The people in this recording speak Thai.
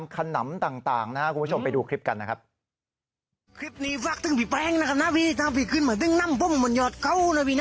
ข่าวของเราที่ขึ้นข่าวบานคัต